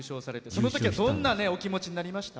そのときはどんなお気持ちになりました？